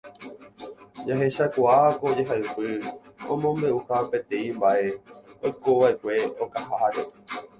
Jahechakuaa ko jehaipy omombe'uha peteĩ mba'e oikova'ekue okaháre